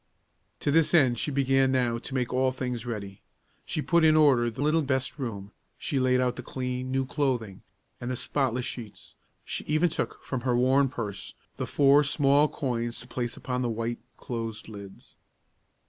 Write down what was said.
To this end she began now to make all things ready. She put in order the little best room; she laid out the clean, new clothing, and the spotless sheets; she even took from her worn purse the four small coins to place upon the white, closed lids.